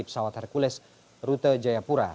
pesawat hercules rute jayapura